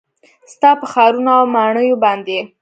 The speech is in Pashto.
ستا په ښارونو او ماڼیو باندې